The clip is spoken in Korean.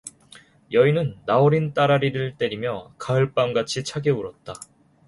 여인은 나어린 딸아이를 때리며 가을밤같이 차게 울었다.